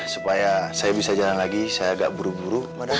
supaya saya bisa jalan lagi saya agak buru buru